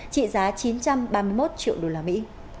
trị giá chín trăm ba mươi một triệu đô la mỹ